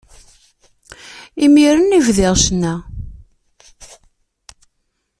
Imiren i bdiɣ ccna.